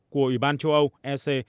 của ủy ban châu âu ec